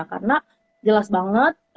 karena jelas banget